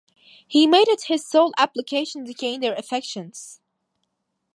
He made it his sole application to gain their affections.